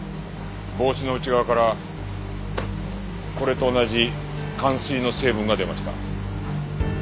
帽子の内側からこれと同じかん水の成分が出ました。